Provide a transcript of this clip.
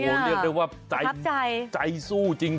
โอ้โหเรียกได้ว่าใจสู้จริง